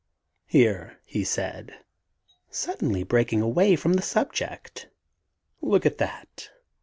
"Here," he said, suddenly breaking away from the subject, "look at that."